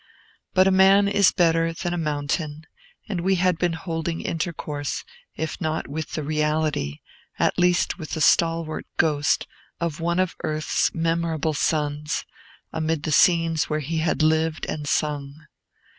But a man is better than a mountain; and we had been holding intercourse, if not with the reality, at least with the stalwart ghost of one of Earth's memorable sons, amid the scenes where he lived and sung.